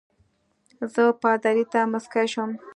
زه پادري ته مسکی شوم.